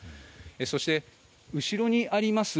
そして、後ろにあります